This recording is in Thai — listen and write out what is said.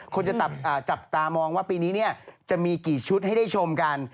คนจะจับตามองว่าปีนี้จะมีกี่ชุดให้ได้ชมกัน